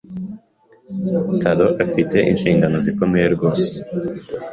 Taro afite inshingano zikomeye rwose.